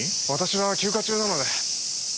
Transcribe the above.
私は休暇中なので。